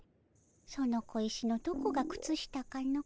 その小石のどこが靴下かの？